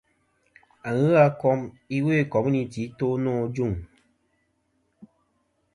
Aghɨ a kom iwo i komunity i to nô ajuŋ.